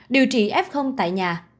điều trị f tại nhà